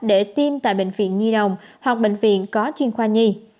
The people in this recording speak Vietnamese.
để tiêm tại bệnh viện nhi đồng hoặc bệnh viện có chuyên khoa nhi